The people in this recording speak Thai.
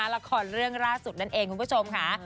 ละครเรื่องล่าสุดนั่นเองคุณผู้ชมค่ะ